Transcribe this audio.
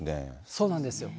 そうなんです。